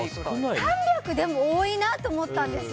３００でも多いなと思ったんですよ。